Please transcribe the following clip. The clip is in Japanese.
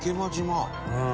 「うん」